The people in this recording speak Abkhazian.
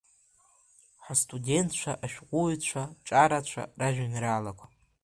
Ҳастудентцәа-ашәҟәыҩҩцәа ҿарацәа ражәеинраалақәа.